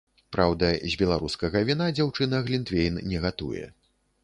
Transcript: Праўда, з беларускага віна дзяўчына глінтвейн не гатуе.